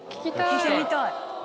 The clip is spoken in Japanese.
聴いてみたい。